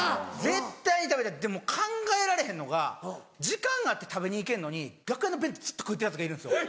絶対に食べたいでもう考えられへんのが時間あって食べに行けるのに楽屋の弁当ずっと食うてるヤツがいるんですよ。